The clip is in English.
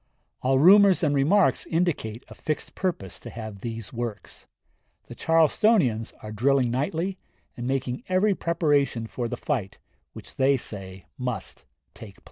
All rumors and remarks indicate a fixed purpose to have these works. The Charlestonians are drilling nightly, and making every preparation for the fight which they say must take place.